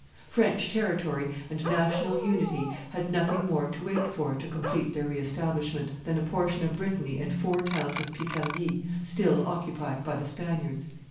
French territory and national unity had nothing more to wait for, to complete their re establishment, than a portion of Brittany and four towns of Picardy still occupied by the Spaniards."